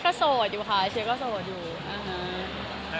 เอ้าเคียร์ด้วยหรอตัวเคียร์ก็สอดอยู่ค่ะ